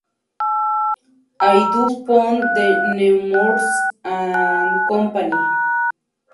I. du Pont de Nemours and Company.